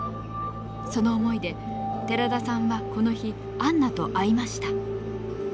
その思いで寺田さんはこの日アンナと会いました。